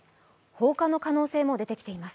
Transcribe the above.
放火の可能性も出てきています。